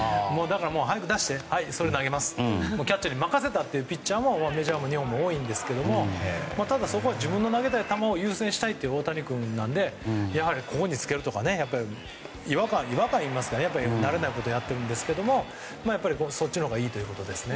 それを投げますキャッチャーに任せますというピッチャーもメジャーも日本も多いんですがただ、そこは自分の投げたい球を優先したいという大谷君なので違和感というか慣れないことをやっていますがそっちのほうがいいということですね。